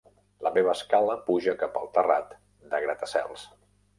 La meva escala puja cap al terrat del grata-cels.